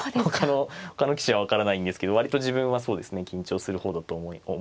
ほかの棋士は分からないんですけど割と自分はそうですね緊張する方だと思ってます。